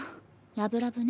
ラブラブね。